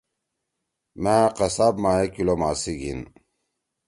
مأ قصاب ما اے کِلو ماس سی